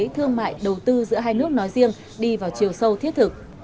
thương mại đầu tư giữa hai nước nói riêng đi vào chiều sâu thiết thực